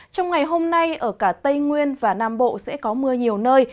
trong ngày hôm nay ở cả tây nguyên và nam bộ sẽ có mưa nhiều nơi